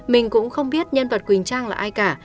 mình cũng không biết nhân vật quỳnh trang là ai cả